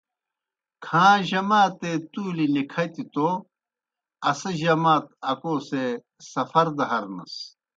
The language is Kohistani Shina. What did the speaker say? کھاں جماتے تُولیْ نِکَھتیْ توْ اسہ جمات اکو سے سفر دہ ہَرنَس۔